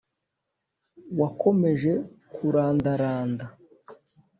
wakomeje kurandaranda